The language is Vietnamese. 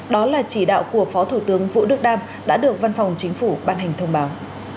đó là chỉ đạo của phó thủ tướng vũ đức đam đã được văn phòng chính phủ ban hành thông báo